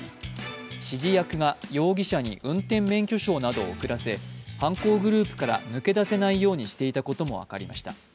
指示役が容疑者に運転免許証などを送らせ、犯行グループから抜け出せないようにしていたことも分かりました。